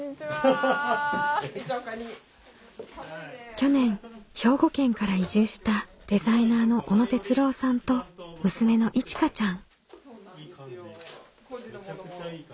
去年兵庫県から移住したデザイナーの小野哲郎さんと娘のいちかちゃん。